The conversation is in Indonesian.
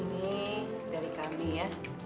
ini dari kami ya